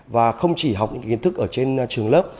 và không chỉ học những kiến thức ở trên trường lớp